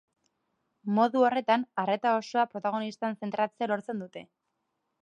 Modu horretan arreta osoa protagonistan zentratzea lortzen dute.